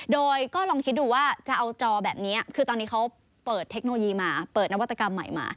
โดยก็ลองคิดดูว่าจะเอาจอแบบนี้คือตอนนี้เขาเปิดเทคโนโลยีมาเปิดนวัตกรรมใหม่มา